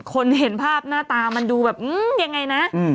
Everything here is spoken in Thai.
เห็นภาพหน้าตามันดูแบบยังไงนะ